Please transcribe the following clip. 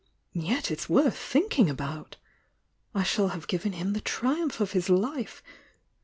Yet it's worth thinking about! I shall have given him the triumph of his life!